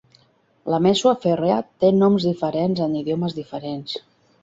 La Mesua ferrea té noms diferents en idiomes diferents.